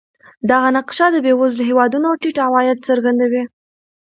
دغه نقشه د بېوزلو هېوادونو ټیټ عواید څرګندوي.